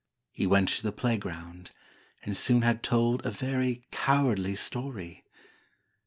He went to the playground, and soon had told A very cowardly story!